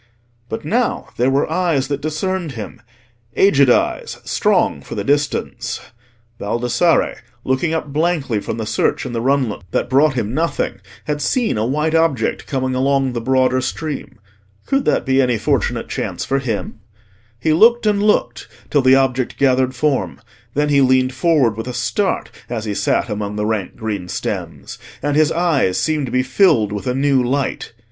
But now there were eyes that discerned him—aged eyes, strong for the distance. Baldassarre, looking up blankly from the search in the runlet that brought him nothing, had seen a white object coming along the broader stream. Could that be any fortunate chance for him? He looked and looked till the object gathered form: then he leaned forward with a start as he sat among the rank green stems, and his eyes seemed to be filled with a new light.